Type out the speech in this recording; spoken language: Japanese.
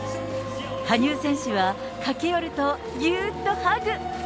羽生選手は、駆け寄ると、ぎゅーっとハグ。